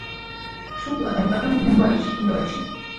შუკლა დაიბადა მუმბაიში, ინდოეთში.